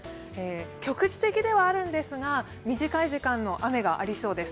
局地的ではあるんですが、短い時間の雨がありそうです。